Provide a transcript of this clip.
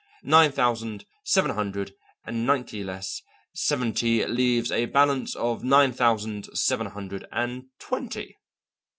Nine thousand seven hundred and ninety less seventy leaves a balance of nine thousand seven hundred and twenty.